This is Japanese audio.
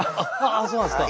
ああそうなんですか。